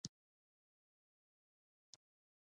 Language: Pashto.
دا انحصار په محلي اړیکو، کورنیو او نړیوالو اړیکو کې دی.